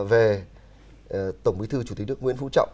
về tổng bí thư chủ tịch nước nguyễn phú trọng